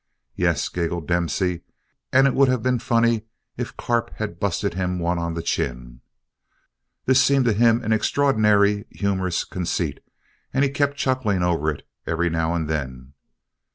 "Yes," giggled Dempsey, "and it would have been funny if Carp had busted him one on the chin." This seemed to him an extraordinary humorous conceit and he kept chuckling over it every now and then.